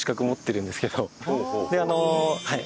あのはい。